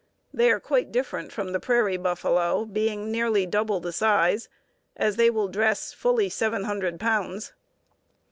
They are quite different from the prairie buffalo, being nearly double the size, as they will dress fully 700 pounds."